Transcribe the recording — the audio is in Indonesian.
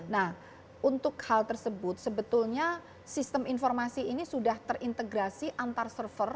nah untuk hal tersebut sebetulnya sistem informasi ini sudah terintegrasi antar server